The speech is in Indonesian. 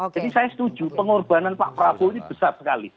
jadi saya setuju pengorbanan pak prabowo ini besar sekali